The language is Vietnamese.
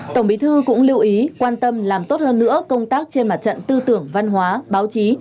tổng bí thư cũng lưu ý quan tâm làm tốt hơn nữa công tác trên mặt trận tư tưởng văn hóa báo chí